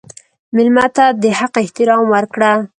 مېلمه ته د حق احترام ورکړه.